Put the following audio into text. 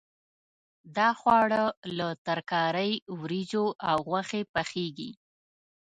دا خواړه له ترکارۍ، وریجو او غوښې پخېږي.